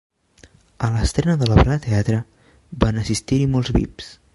A l'estrena de l'obra de teatre, van assistir-hi molts vips.